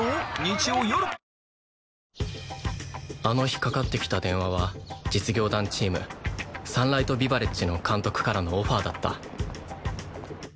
あの日かかってきた電話は実業団チームサンライトビバレッジの監督からのオファーだった